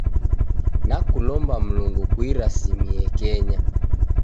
Nakulomba Mlungu kuirasimie Kenya.